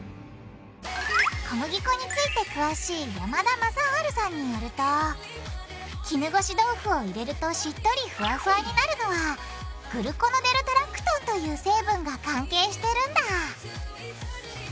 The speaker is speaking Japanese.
小麦粉について詳しい山田昌治さんによると絹ごし豆腐を入れるとしっとりフワフワになるのはグルコノデルタラクトンという成分が関係してるんだ